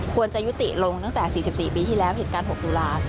ควรจะยุติลงตั้งแต่๔๔ปีที่แล้วเหตุการณ์๖ตุลา